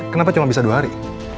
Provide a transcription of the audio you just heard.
kenapa cuma bisa dua hari